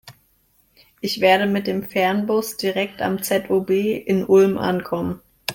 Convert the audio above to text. Ich werde mit dem Fernbus direkt am ZOB in Ulm ankommen.